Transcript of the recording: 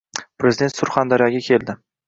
Prezident Surxondaryoga keldi